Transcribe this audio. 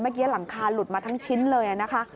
เมื่อกี้หลังคาหลุดมาทั้งชิ้นเลยนะคะ